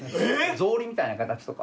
草履みたいな形とか。